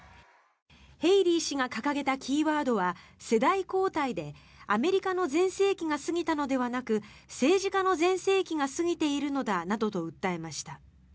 ヘイリー氏が掲げたキーワードは世代交代でアメリカの全盛期が過ぎたのではなく政治家の全盛期が過ぎているのだなどと訴えました。